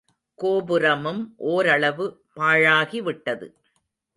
கோபுரமும் ஓரளவு பாழாகி விட்டது.